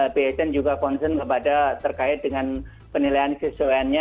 bhn juga konsen terkait dengan penilaian kson nya